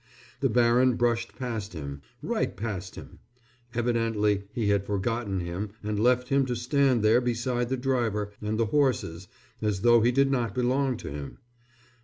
The baron brushed past him, right past him. Evidently he had forgotten him and left him to stand there beside the driver and the horses as though he did not belong to him.